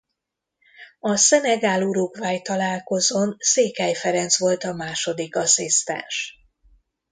A Szenegál –Uruguay találkozón Székely Ferenc volt a második asszisztens.